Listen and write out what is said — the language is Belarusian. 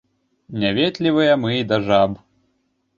Няветлівыя мы і да жаб.